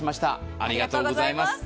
ありがとうございます。